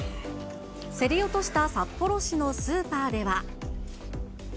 競り落とした札幌市のスーパーでは。